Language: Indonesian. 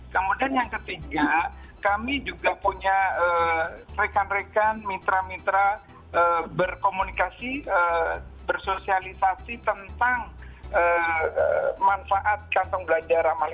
kemudian yang ketiga kami juga punya rekan rekan mitra mitra berkomunikasi bersosialisasi tentang manfaat kantong belanja ramah